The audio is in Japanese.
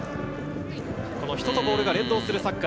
人とボールが連動するサッカー。